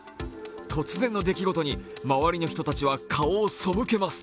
突然の出来事に周りの人たちは顔をそむけます。